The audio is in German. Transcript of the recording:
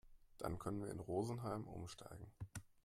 Dann können wir in Rosenheim umsteigen.